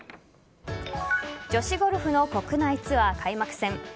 女子ゴルフの国内ツアー開幕戦。